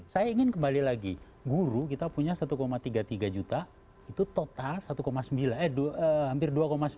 saya ingin kembali lagi guru kita punya satu tiga puluh tiga juta itu total satu sembilan eh hampir dua sembilan